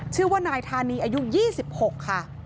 ชื่อว่านายธานีอายุ๒๖ค่ะ